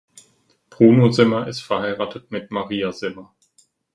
Bruno Simma ist verheiratet mit Maria Simma.